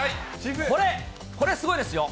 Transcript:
これ、これ、すごいですよ。